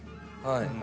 はい。